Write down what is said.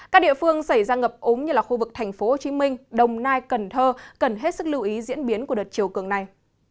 các địa phương xảy ra ngập ống như là khu vực thành phố hồ chí minh đồng nai cần thơ cần hết sức lưu ý diễn biến của đợt chiều cường này